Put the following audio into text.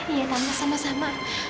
iya tambah sama sama